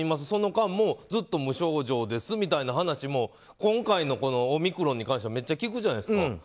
その間もずっと無症状ですみたいな話も今回のオミクロンに関してはめっちゃ聞くじゃないですか。